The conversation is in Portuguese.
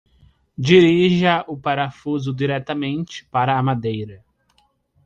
Dirija o parafuso diretamente para a madeira.